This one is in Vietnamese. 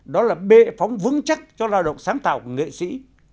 đó là bệ phóng vững chắc cho lao động sáng tạo của nghệ sĩ